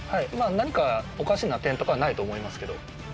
何かおかしな点とかはないと思いますけど。